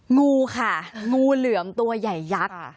งูค่ะงูเหลือมตัวใหญ่ยักษ์